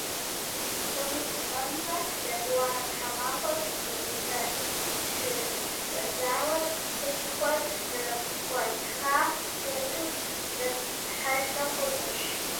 Псори тэмэммэ, етӀуанэ тхьэмахуэм щыщӀэдзауэ хущхъуэр зэрыпхуатхам тету зэпхьэлӏэ хъунущ.